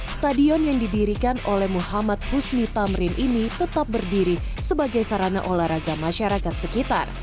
stadion yang didirikan oleh muhammad husni tamrin ini tetap berdiri sebagai sarana olahraga masyarakat sekitar